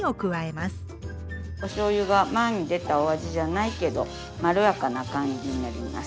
おしょうゆが前に出たお味じゃないけどまろやかな感じになります。